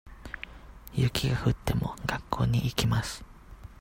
雪が降っても、学校に行きます。